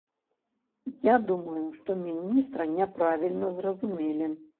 Я думаю, што міністра няправільна зразумелі.